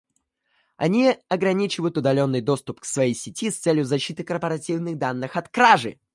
Они ограничивают удаленный доступ к своей сети с целью защиты корпоративных данных от кражи